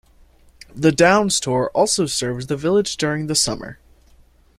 The Downs Tour also serves the village during the summer.